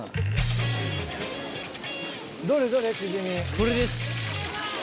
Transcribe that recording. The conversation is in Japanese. これです。